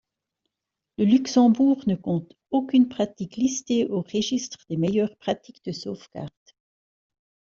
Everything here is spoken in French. Le Luxembourg ne compte aucune pratique listée au registre des meilleures pratiques de sauvegarde.